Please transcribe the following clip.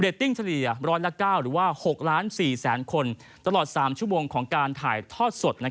ตติ้งเฉลี่ย๑๐๙หรือว่า๖ล้าน๔แสนคนตลอด๓ชั่วโมงของการถ่ายทอดสด